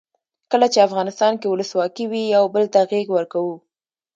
کله چې افغانستان کې ولسواکي وي یو بل ته غیږ ورکوو.